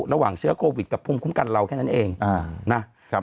ระหว่างเชื้อโควิดกับภูมิคุ้มกันเราแค่นั้นเองนะครับ